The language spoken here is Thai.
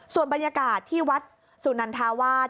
ส่วนบรรยากาศที่วัดสุนันทาวาส